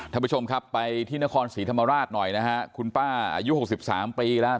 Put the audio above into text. ท่านผู้ชมครับไปที่นครศรีธรรมราชหน่อยนะฮะคุณป้าอายุ๖๓ปีแล้ว